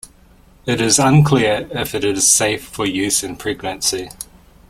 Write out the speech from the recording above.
It is unclear if it is safe for use in pregnancy.